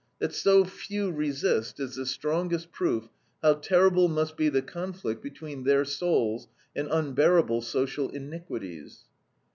That so few resist is the strongest proof how terrible must be the conflict between their souls and unbearable social iniquities.